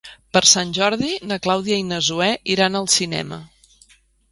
Per Sant Jordi na Clàudia i na Zoè iran al cinema.